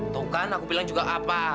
tuh kan aku bilang juga apa